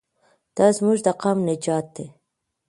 دا زموږ د قام نجات دی.